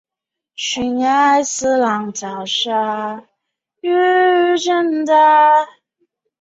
在阿波罗计划中格鲁门公司制造了登月舱。